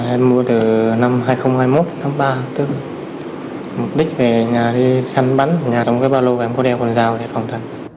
em mua từ năm hai nghìn hai mươi một tháng ba tức mục đích về nhà đi săn bắn nhà trong cái ba lô em có đeo quần dao để phòng thần